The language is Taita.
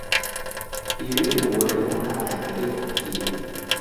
Iri nguw'o reko na rangi righokie.